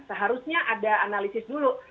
seharusnya ada analisis dulu